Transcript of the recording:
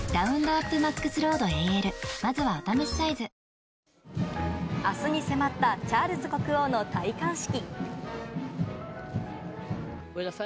ニトリ明日に迫ったチャールズ国王の戴冠式。